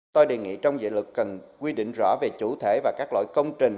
tôi đề nghị trong dự luật cần quy định rõ về chủ thể và các loại công trình